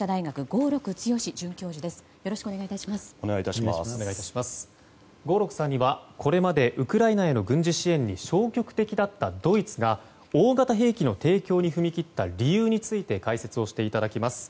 合六さんにはこれまでウクライナへの軍事支援に消極的だったドイツが大型兵器の提供に踏み切った理由について解説をしていただきます。